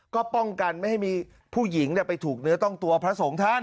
ก็ป้องกันไม่ให้มีผู้หญิงไปถูกเนื้อต้องตัวพระสงฆ์ท่าน